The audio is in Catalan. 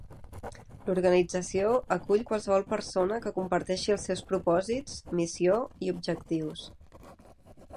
L'organització acull qualsevol persona que comparteixi els seus propòsits, missió i objectius.